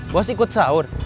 bos ikut sahur